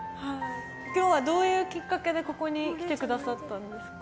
今日はどういうきっかけでここに来てくださったんですか？